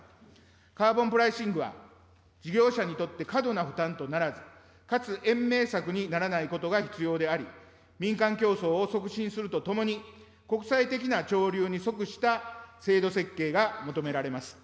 カーボンプライシングは、事業者にとって過度な負担とならず、かつ延命策にならないことが必要であり、民間競争を促進するとともに国際的な潮流に即した制度設計が求められます。